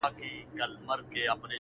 وير راوړي غم راوړي خنداوي ټولي يوسي دغه.